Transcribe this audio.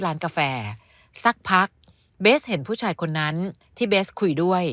ร้านกาแฟสักพักเบสเห็นผู้ชายคนนั้นที่เบสคุยด้วย